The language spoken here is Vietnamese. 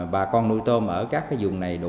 bà con nuôi tôm ở các cái vùng này